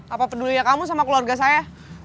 apa pedulinya kamu sama keluarga saya